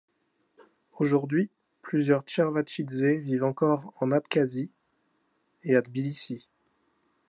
Aujourd'hui, plusieurs Chervachidzé vivent encore en Abkhazie et à Tbilissi.